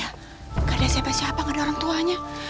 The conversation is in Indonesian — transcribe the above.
tidak ada siapa siapa gak ada orang tuanya